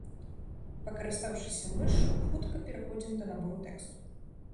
Пакарыстаўшыся мышшу, хутка пераходзім да набору тэксту.